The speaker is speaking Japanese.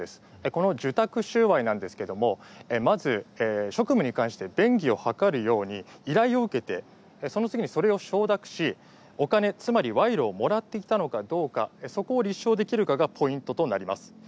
この受託収賄ですが職務に関して便宜を図るように依頼を受けてその次にそれを承諾しお金、つまり賄賂をもらっていたのかどうかそこを立証できるかがポイントになります。